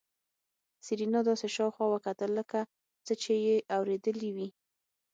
سېرېنا داسې شاوخوا وکتل لکه څه چې يې اورېدلي وي.